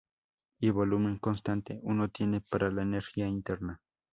Y volumen constante, uno tiene para la energía interna.